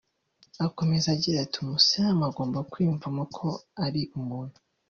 Akomeza agira ati “Umusilamu agomba kwiyumvamo ko ari umuntu